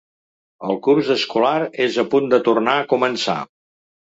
El curs escolar és a punt de tornar a començar.